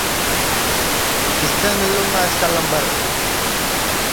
کِسے مِلوں گا اِس کا لمبر